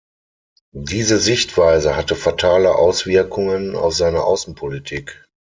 Diese Sichtweise hatte fatale Auswirkungen auf seine Außenpolitik.